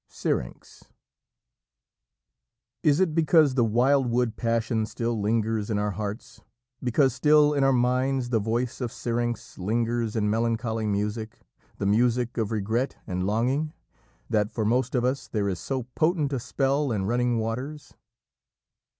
SYRINX "Is it because the wild wood passion still lingers in our hearts, because still in our minds the voice of Syrinx lingers in melancholy music, the music of regret and longing, that for most of us there is so potent a spell in running waters?"